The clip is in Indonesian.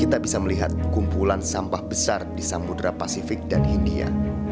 kita bisa melihat kumpulan sampah besar di samudera pasifik dan india